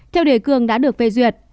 theo đề cường đã được phê duyệt